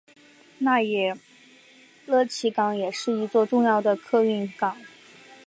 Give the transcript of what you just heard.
那不勒斯港也是一座重要的客运港。